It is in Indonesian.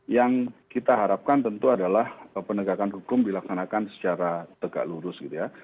yang kita harapkan tentu adalah penegakan hukum dilaksanakan secara tegak lurus gitu ya